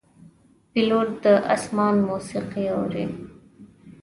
پیلوټ د آسمان موسیقي اوري.